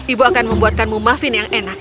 ibu akan membuatkanmu maafin yang enak